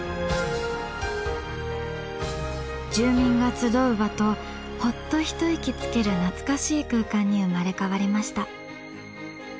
住民が集う場とほっと一息つける懐かしい空間に生まれ変わりました。